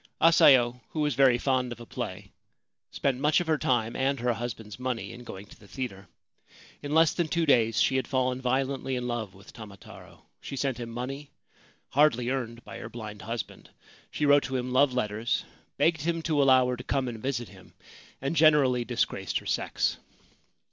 Asayo, who was very fond of a play, spent much of her time and her husband's money in going to the theatre. In less than two days she had fallen violently in love with Tamataro. She sent him money, hardly earned by her blind husband. She wrote to him love letters, begged him to allow her to come and visit him, and generally disgraced her sex.